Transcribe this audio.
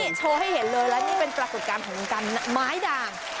นี่โชว์ให้เห็นเลยและนี่เป็นปรากฏการณ์ของวงการไม้ด่าง